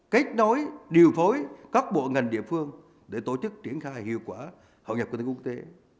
kết nối điều phối các bộ ngành địa phương để tổ chức triển khai hiệu quả hội nhập kinh tế quốc tế